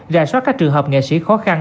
rà soát các trường hợp nghệ sĩ khó khăn